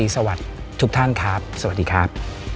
สวัสดีครับ